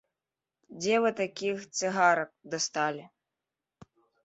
Дзе вы такіх цыгарак дасталі?